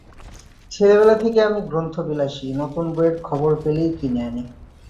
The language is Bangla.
ছেলেবেলা থেকে আমি গ্রন্থবিলাসী, নতুন বইয়ের খবর পেলেই কিনে আনি।